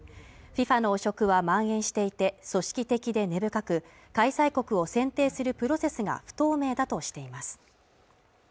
ＦＩＦＡの汚職は蔓延していて組織的で根深く開催国を選定するプロセスが不透明だとしています